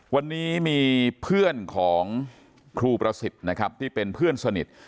วันนี้มีเพื่อนของครูประสิทธิ์นะครับที่เป็นเพื่อนสนิท